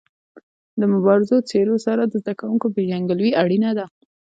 د مبارزو څېرو سره د زده کوونکو پيژندګلوي اړینه ده.